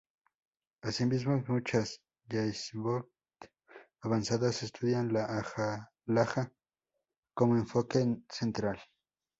Asimismo muchas "yeshivot" avanzadas estudian la halajá como enfoque central.